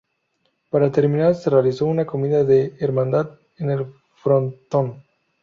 Para terminar se realizó una comida de hermandad en el frontón.